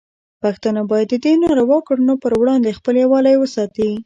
پښتانه باید د دې ناروا کړنو پر وړاندې خپل یووالی وساتي.